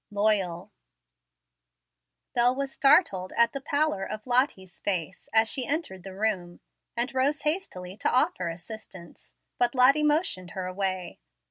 LOYAL. Bel was startled at the pallor of Lottie's face as she entered the room, and rose hastily to offer assistance, but Lottie motioned her away.